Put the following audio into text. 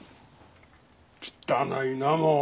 汚いなぁもう。